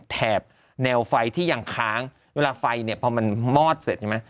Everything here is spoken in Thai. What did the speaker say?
แถบแนวไฟที่ยังค้างเวลาไฟเนี่ยพอมันมอดเสร็จใช่ไหม